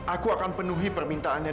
aku akan penuhi uang